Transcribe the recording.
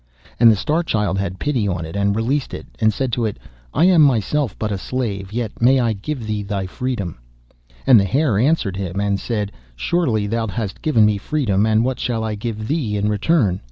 And the Star Child had pity on it, and released it, and said to it, 'I am myself but a slave, yet may I give thee thy freedom.' And the Hare answered him, and said: 'Surely thou hast given me freedom, and what shall I give thee in return?